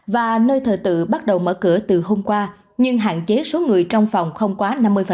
và nơi thờ tự bắt đầu mở cửa từ hôm qua nhưng hạn chế số người trong phòng không quá năm mươi